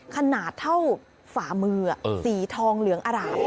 ขนาดเท่าฝามือสีทองเหลืองอร่าม